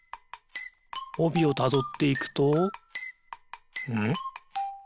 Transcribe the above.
おびをたどっていくとんっ？